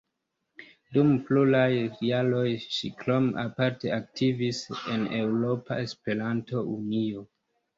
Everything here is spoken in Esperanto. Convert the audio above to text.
Dum pluraj jaroj ŝi krome aparte aktivis en Eŭropa Esperanto-Unio.